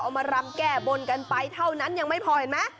มารำแก้บนกันไปเท่านั้นยังไม่พอเห็นไหม